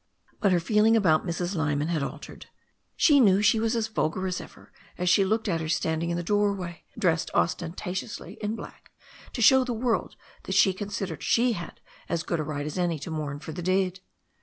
But her feeling about Mrs. L3rman had altered. She knew she was as vulgar as ever as she looked at her standing in the doorway, dressed ostentatiously in black to show the world that she considered she had as good a right as any one to mourn for the dead.